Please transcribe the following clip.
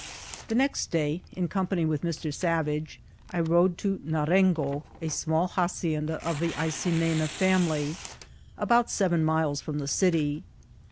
Thb next day, in c<Hnpany with Mi. Savage, I rode to Narengo, a small hacienda of the Aydnena fiBusiily, about aeren miles from the city.